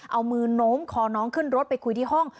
เอามือโน้มคอน้องขึ้นรถไปคุยที่ห้อง